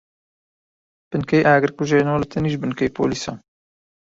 بنکەی ئاگرکوژێنەوە لەتەنیشت بنکەی پۆلیسە.